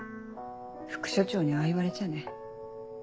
副署長にああ言われちゃね。